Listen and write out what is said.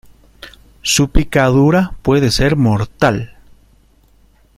su picadura puede ser mortal.